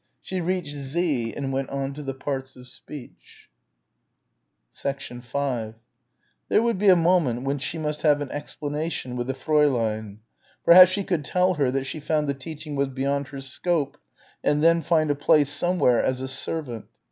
She reached Z and went on to the parts of speech. 5 There would be a moment when she must have an explanation with the Fräulein. Perhaps she could tell her that she found the teaching was beyond her scope and then find a place somewhere as a servant.